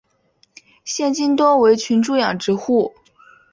现今多为群猪养殖户。